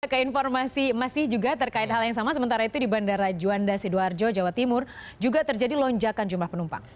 keinformasi masih juga terkait hal yang sama sementara itu di bandara juanda sidoarjo jawa timur juga terjadi lonjakan jumlah penumpang